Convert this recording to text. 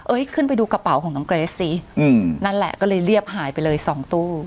ขึ้นไปดูกระเป๋าของน้องเกรสสิอืมนั่นแหละก็เลยเรียบหายไปเลยสองตู้